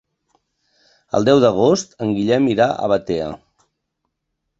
El deu d'agost en Guillem irà a Batea.